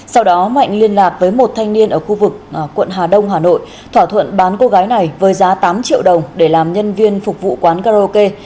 sau đó mạnh liên lạc với một thanh niên ở khu vực quận hà đông hà nội thỏa thuận bán cô gái này với giá tám triệu đồng để làm nhân viên phục vụ quán karaoke